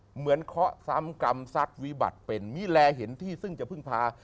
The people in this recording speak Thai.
เคาะซ้ำกรรมซักวิบัติเป็นมิแลเห็นที่ซึ่งจะพึ่งพา